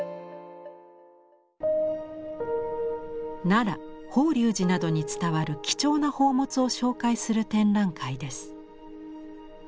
奈良・法隆寺などに伝わる貴重な宝物を紹介する展覧会です。